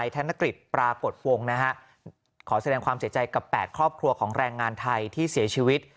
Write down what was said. ธนกฤษปรากฏวงนะฮะขอแสดงความเสียใจกับ๘ครอบครัวของแรงงานไทยที่เสียชีวิต